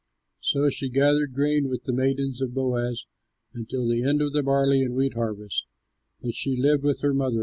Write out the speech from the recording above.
So she gathered grain with the maidens of Boaz until the end of the barley and wheat harvest; but she lived with her mother in law.